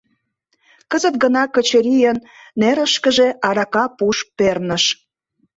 Кызыт гына Качырийын нерышкыже арака пуш перныш.